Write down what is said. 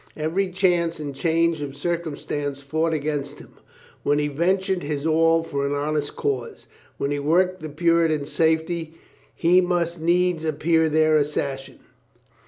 Every chance and change of circumstance fought against him. When he ventured his all for an honest cause, when he worked the Puritans' safety, he must needs appear their assassin.